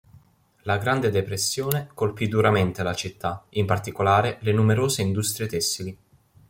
La Grande Depressione colpì duramente la città, in particolare le numerose industrie tessili.